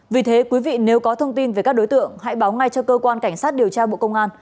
vì thế quý vị nếu có thông tin về các đối tượng hãy báo ngay cho cơ quan cảnh sát điều tra bộ công an